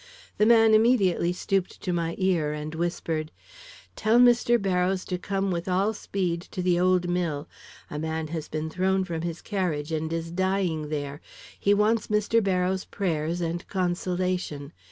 The man immediately stooped to my ear and whispered: "'Tell Mr. Barrows to come with all speed to the old mill. A man has been thrown from his carriage and is dying there. He wants Mr. Barrows' prayers and consolation.